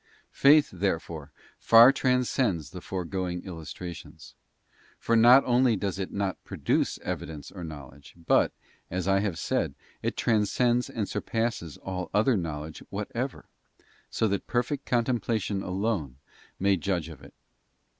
Faith, therefore, far transcends the foregoing illustrations: for not only does it not produce evidence or knowledge, but, as I have said, it transcends and surpasses all other know ledge whatever, so that perfect contemplation alone may judge of it.